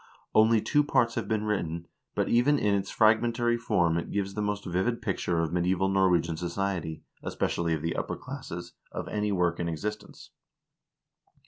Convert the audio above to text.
Only two parts have been written, but even in its frag mentary form it gives the most vivid picture of medieval Norwegian society, especially of the upper classes, of any work in existence.